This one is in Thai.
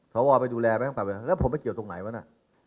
สวไปดูแลไหมแล้วผมไปเกี่ยวตรงไหนวะน่ะ